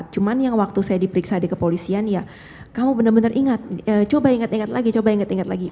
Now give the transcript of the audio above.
cuma yang waktu saya diperiksa di kepolisian ya kamu benar benar ingat coba ingat ingat lagi coba ingat ingat lagi